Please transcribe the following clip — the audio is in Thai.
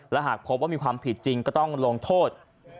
และหากพบว่ามีความผิดจริงก็ต้องลงโทษ